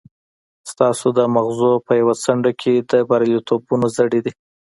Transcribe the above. ستاسې د ماغزو په يوه څنډه کې د برياليتوبونو زړي دي.